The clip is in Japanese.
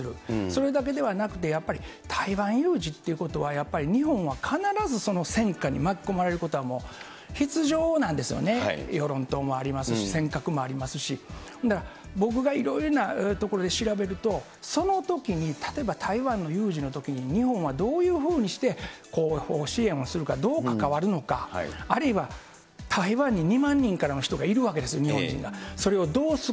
それだけではなくて、やっぱり台湾有事ということは、やっぱり日本は必ず戦禍に巻き込まれることはもう必定なんですよね、与論島もありますし、尖閣もありますし、だから僕がいろいろなところで調べると、そのときに例えば、台湾の有事のときに、日本はどういうふうにして、後方支援をするのか、どう関わるのか、あるいは台湾に２万人からの人がいるわけです、日本人が。